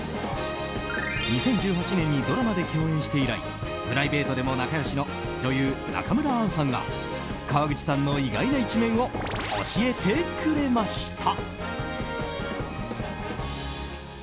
２０１８年にドラマで共演して以来プライベートでも仲良しの女優・中村アンさんが川口春奈さんの意外な一面を教えてくれました。